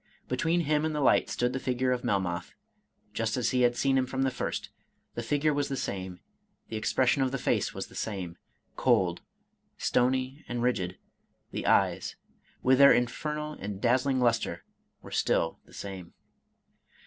Between him and the light stood the figure of Melmoth, just as he had seen him from the first; the figure was the same; the expression of the face was the same,— cold, stony, and rigid; the eyes, with their infernal and dazzling luster, were still the same.